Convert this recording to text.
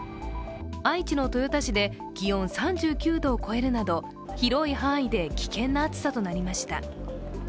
愛知の豊田市で気温３９度を超えるなど広い範囲で危険な暑さとなりました。